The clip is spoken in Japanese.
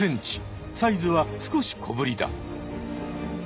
サイズは少し小ぶりだ。